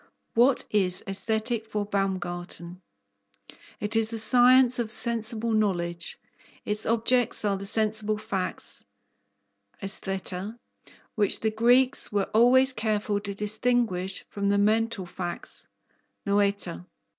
What is Aesthetic for Baumgarten? It is the science of sensible knowledge. Its objects are the sensible facts (aisthaeta), which the Greeks were always careful to distinguish from the mental facts (noaeta).